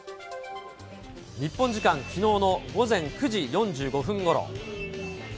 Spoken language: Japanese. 日本時間きのうの午前９時４５分ごろ。